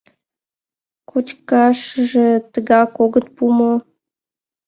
Кочкашыже тегак огыт пу мо?